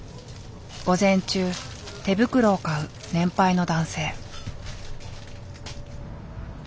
午前中手袋を買う年配の男性。